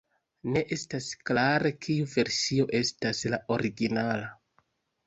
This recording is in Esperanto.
Ne estas klare kiu versio estas la originala.